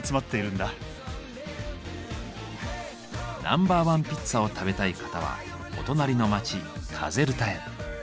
ナンバーワンピッツァを食べたい方はお隣の町カゼルタへ。